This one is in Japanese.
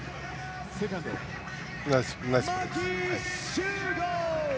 ナイスプレーですね。